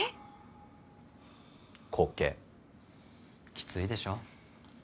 きついでしょ？